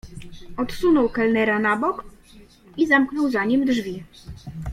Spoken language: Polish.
"Odsunął kelnera na bok i zamknął za nim drzwi."